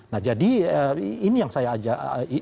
nah jadi ini yang saya ajak